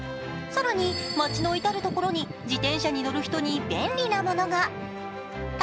更に街の至るところに自転車に乗る人に便利なものが。